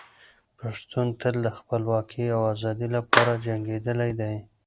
پښتون تل د خپلواکۍ او ازادۍ لپاره جنګېدلی دی.